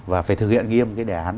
và phải thực hiện nghiêm cái đề án